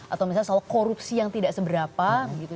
atau misalnya soal korupsi yang tidak seberapa gitu